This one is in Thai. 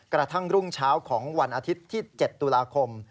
กระทั่งรุ่งเช้าของวันอาทิตย์ที่๗ตุลาคม